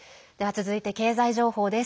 続いて経済情報です。